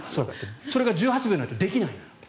それが１８秒ないとできない。